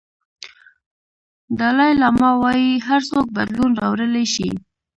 دالای لاما وایي هر څوک بدلون راوړلی شي.